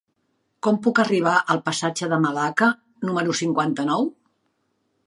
Com puc arribar al passatge de Malacca número cinquanta-nou?